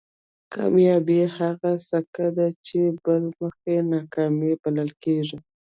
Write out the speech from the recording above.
کامیابي هغه سکه ده چې بل مخ یې ناکامي بلل کېږي.